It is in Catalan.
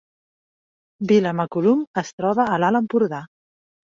Vilamacolum es troba a l’Alt Empordà